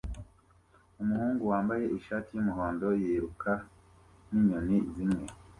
Umuhungu wambaye ishati yumuhondo yiruka ninyoni zimwe